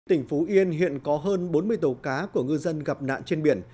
tỉnh phú yên hiện có hơn bốn mươi tàu cá của ngư dân gặp nạn trên biển